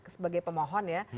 sebagai pemohon ya